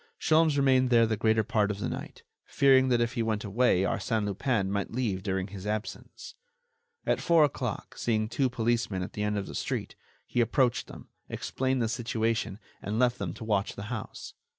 Sholmes remained there the greater part of the night, fearing that if he went away Arsène Lupin might leave during his absence. At four o'clock, seeing two policemen at the end of the street, he approached them, explained the situation and left them to watch the house.